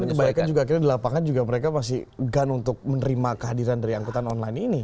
tapi kebanyakan juga akhirnya di lapangan juga mereka masih gun untuk menerima kehadiran dari angkutan online ini